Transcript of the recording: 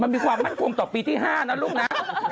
มันมีความมั่นคงต่อปีที่๕นะลูกนะ